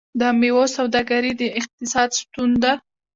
د میوو سوداګري د اقتصاد ستون ده.